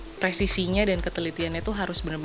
justru presisinya dan ketelitiannya itu harus mengembangkan